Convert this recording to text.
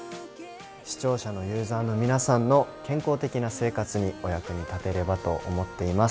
視聴者のユーザーの皆さんの、健康的な生活にお役に立てればと思っています。